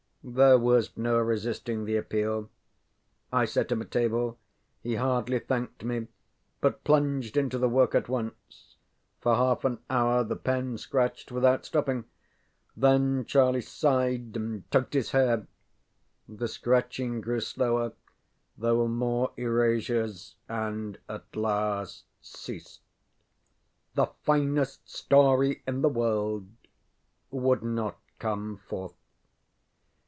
ŌĆØ There was no resisting the appeal. I set him a table; he hardly thanked me, but plunged into the work at once. For half an hour the pen scratched without stopping. Then Charlie sighed and tugged his hair. The scratching grew slower, there were more erasures, and at last ceased. The finest story in the world would not come forth.